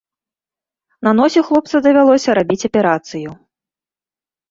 На носе хлопцу давялося рабіць аперацыю.